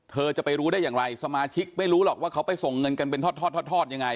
จะไปรู้ได้อย่างไรสมาชิกไม่รู้หรอกว่าเขาไปส่งเงินกันเป็นทอดทอดยังไง